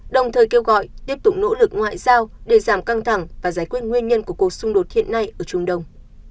đồng thời kêu gọi tiếp tục nỗ lực ngoại giao để giảm căng thẳng và giải quyết nguyên nhân của cuộc xung đột hiện nay ở trung đông